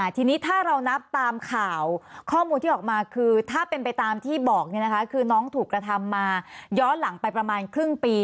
ทีนี้ถ้าเรานับตามข่าวข้อมูลที่ออกมาคือถ้าเป็นไปตามที่บอกคือน้องถูกกระทำมาย้อนหลังไปประมาณครึ่งปี